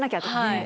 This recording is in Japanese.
はい。